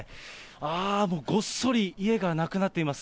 あー、もうごっそり家がなくなっています。